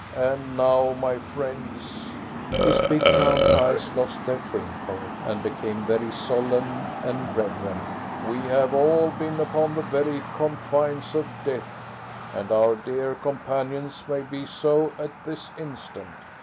And now, my friends" his big, brown eyes lost their twinkle, and became very solemn and reverent "we have all been upon the very confines of death, and our dear companions may be so at this instant.